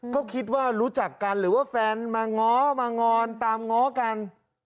ก็คิดว่ารู้จักกันหรือว่าแฟนมาง้อมางอนตามง้อกัน